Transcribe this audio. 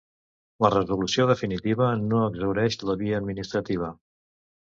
La resolució definitiva no exhaureix la via administrativa.